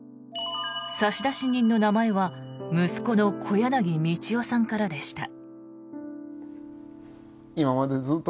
差出人の名前は息子の小柳宝大さんからでした。